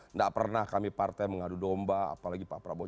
nggak pernah kami partai mengadu domba apalagi pak prabowo